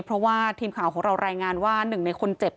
เพราะว่าทีมข่าวของเรารายงานว่าหนึ่งในคนเจ็บ